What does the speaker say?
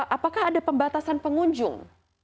apakah ada pembatasan pengunjung